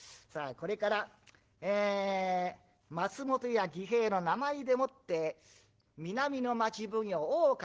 これから松本屋義平の名前でもって南の町奉行大岡